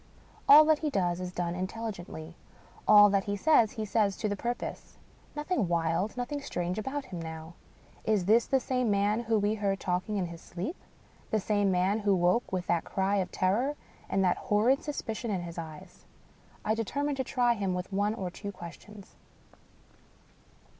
All that he does is done intelligently; all that he says, he says to the purpose. Nothing wild, nothing strange about him now. Is this the same man whom we heard talking in his sleep? — ^the same man who woke with that cry of terror and that hor rid suspicion in his eyes ? I determine to try him with one or two questions.